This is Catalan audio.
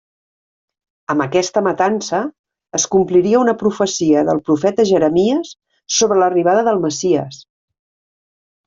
Amb aquesta matança es compliria una profecia del profeta Jeremies sobre l'arribada del Messies.